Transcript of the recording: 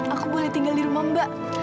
aku boleh tinggal di rumah mbak